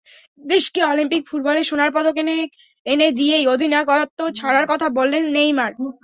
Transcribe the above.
দেশকে অলিম্পিক ফুটবলের সোনার পদক এনে দিয়েই অধিনায়কত্ব ছাড়ার কথা বললেন নেইমার।